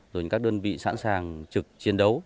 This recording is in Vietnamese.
rồi các đơn vị sẵn sàng trực chiến đấu